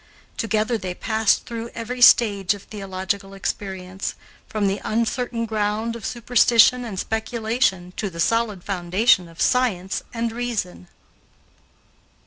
Together they passed through every stage of theological experience, from the uncertain ground of superstition and speculation to the solid foundation of science and reason.